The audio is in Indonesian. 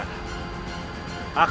aku akan menolongmu